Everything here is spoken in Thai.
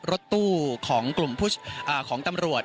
รถตู้ของกลุ่มเรือของนักตำรวจ